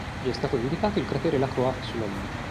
Gli è stato dedicato il cratere Lacroix sulla Luna.